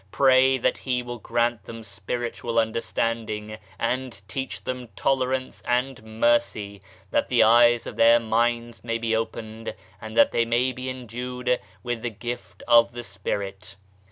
Pray that He will grant them Spiritual understanding and teach them tolerance and mercy, that the eyes of their minds may be opened and that they may be endued with the Gift of the Spirit.